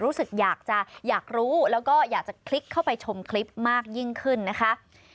รู้สึกอยากจะอยากรู้แล้วก็อยากจะคลิกเข้าไปชมคลิปมากยิ่งขึ้นนะคะ